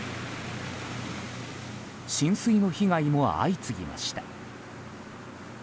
浸水の被害も相次ぎました。